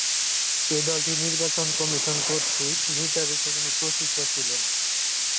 এই দলটির নির্বাচন কমিশন কর্তৃক নির্ধারিত কোনও প্রতীক ছিল না।